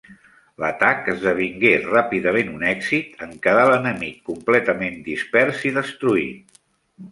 L'atac esdevingué ràpidament un èxit, en quedar l'enemic completament dispers i destruït.